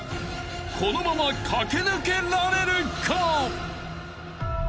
［このまま駆け抜けられるか！？］